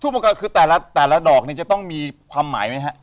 ทุกประกอบคือแต่ละดอกจะต้องมีความหมายไหมครับ